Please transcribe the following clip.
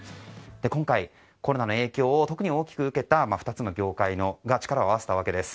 今回、コロナの影響を特に大きく受けた２つの業界が力を合わせたわけです。